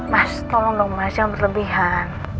mas tolong dong mas yang berlebihan